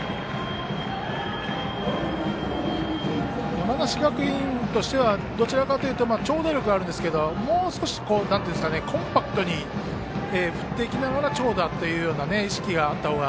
山梨学院としてはどちらかというと長打力があるんですけどもう少しコンパクトに振っていきながら長打という意識があったほうが。